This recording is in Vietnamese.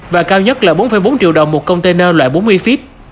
và cao nhất là bốn bốn triệu đồng một container loại bốn mươi feet